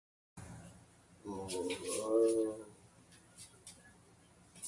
The joints of the stones are filled with blue lines.